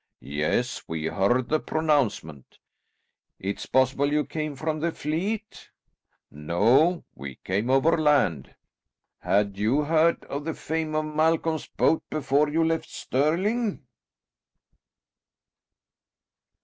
"Yes, we heard the pronouncement." "It's possible you came from the fleet?" "No. We came overland." "Had you heard of the fame of Malcolm's boat before you left Stirling?"